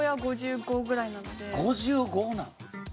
５５なの？